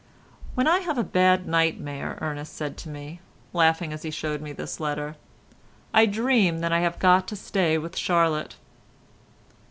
"When I have a bad nightmare," said Ernest to me, laughing as he showed me this letter, "I dream that I have got to stay with Charlotte."